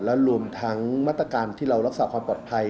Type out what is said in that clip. และรวมทั้งมาตรการที่เรารักษาความปลอดภัย